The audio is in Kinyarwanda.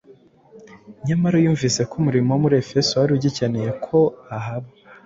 Nyamara yumvise ko umurimo wo muri Efeso wari ugikeneye ko ahaba,